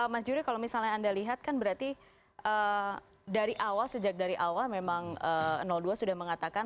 mas juri kalau misalnya anda lihat kan berarti dari awal sejak dari awal memang dua sudah mengatakan